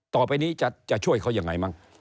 ต่อไปนี้จะช่วยเขายังไงมั้ง